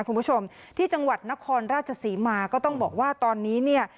คุณผู้ชมที่จังหวัดนครราชศรีมาก็ต้องบอกว่าตอนนี้เนี่ย